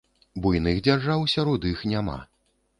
Буйных дзяржаў сярод іх няма.